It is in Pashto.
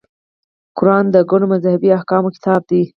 قران د ګڼو مذهبي احکامو کتاب دی.